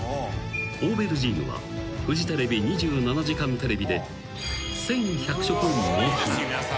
オーベルジーヌはフジテレビ『２７時間テレビ』で１，１００食納品］